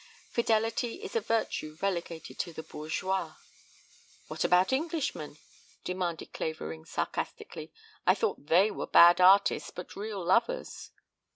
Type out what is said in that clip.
Fidelity is a virtue relegated to the bourgeois " "What about Englishmen?" demanded Clavering sarcastically. "I thought they were bad artists but real lovers."